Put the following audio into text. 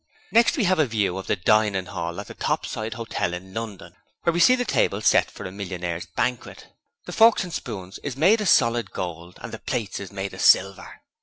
'Next we 'ave a view of the dining hall at the Topside Hotel in London, where we see the tables set for a millionaires' banquet. The forks and spoons is made of solid gold and the plates is made of silver.